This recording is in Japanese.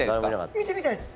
見てみたいです！